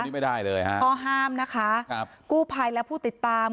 พอห้ามนะคะกูภัยและผู้ติดตาม